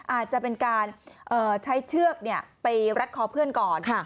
อาจจะเป็นการใช้เชือกไปรัดคอเพื่อนก่อน